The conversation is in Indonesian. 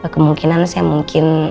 kemungkinan saya mungkin